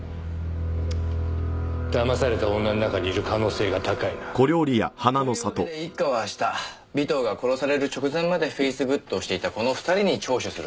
騙された女の中にいる可能性が高いな。というわけで１課は明日尾藤が殺される直前までフェイスグッドをしていたこの２人に聴取するそうです。